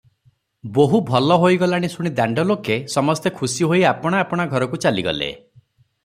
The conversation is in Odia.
ବୋହୂ ଭଲ ହୋଇଗଲାଣି ଶୁଣି ଦାଣ୍ଡଲୋକେ ସମସ୍ତେ ଖୁସି ହୋଇ ଆପଣା ଆପଣା ଘରକୁ ଚାଲିଗଲେ ।